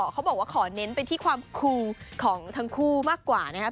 เขาบอกว่าขอเน้นไปที่ความคูของทั้งคู่มากกว่านะครับ